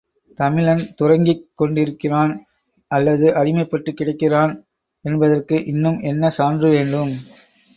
தமிழன் துரங்கிக் கொண்டிருக்கிறான் அல்லது அடிமைப்பட்டுக் கிடக்கிறான் என்பதற்கு இன்னும் என்ன சான்று வேண்டும்?